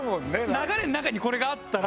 流れの中にこれがあったら。